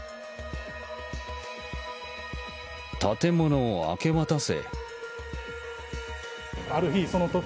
建物を明け渡せ。